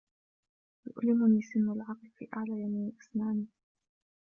يؤلمني سن العقل في أعلى يمين أسناني.